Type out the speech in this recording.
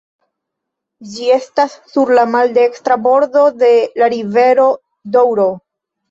Ĝi estas sur la maldekstra bordo de la rivero Doŭro.